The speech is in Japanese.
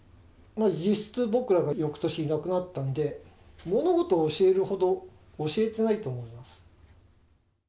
実質僕らがよくとしいなくなったんで、物事を教えるほど教えてないと思います。